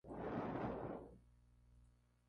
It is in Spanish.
Participa en la metilación de peptidil-cisteína.